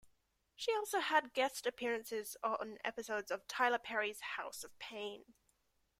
She also had guest appearances on episodes of "Tyler Perry's House of Payne".